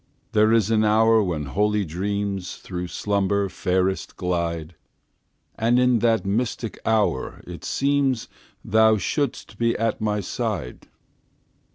There is an hour when holy dreamsThrough slumber fairest glide; And in that mystic hour it seemsThou shouldst be by my side.